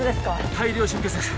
大量出血です